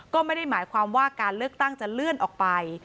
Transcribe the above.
ก็ไม่ได้หมายความว่าการเลือกตั้งจะเลื่อนออกไป